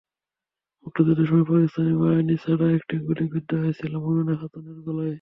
মুক্তিযুদ্ধের সময় পাকিস্তানি বাহিনীর ছোড়া একটি গুলি বিদ্ধ হয়েছিল মোমেনা খাতুনের গলায়।